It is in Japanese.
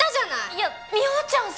いや美帆ちゃんさっき。